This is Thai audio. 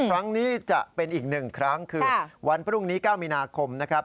ครั้งนี้จะเป็นอีก๑ครั้งคือวันพรุ่งนี้๙มีนาคมนะครับ